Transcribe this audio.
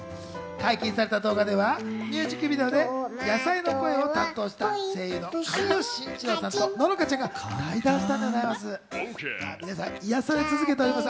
解禁された動画ではミュージックビデオで野菜の声を担当した声優の神尾晋一郎さんと乃々佳ちゃんが対談したんでございます。